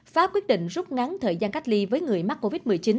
pháp quyết định rút ngắn thời gian cách ly với người mắc covid một mươi chín